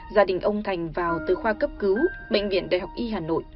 gia đình ông thành vào từ khoa cấp cứu bệnh viện đại học y hà nội